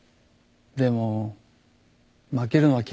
でも負けるのは嫌いだ。